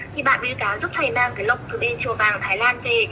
thì bạn bí tả giúp thầy mang cái lồng từ bên chùa vàng thái lan về